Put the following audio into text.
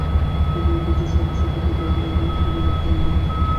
তিনি অতি চতুর সর্বশাস্ত্রে পণ্ডিত ও নানা গুণরত্নে মণ্ডিত।